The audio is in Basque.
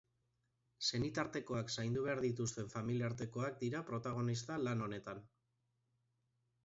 Senitartekoak zaindu behar dituzten familiartekoak dira protagonista lan honetan.